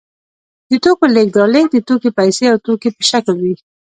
د توکو لېږد رالېږد د توکي پیسې او توکي په شکل وي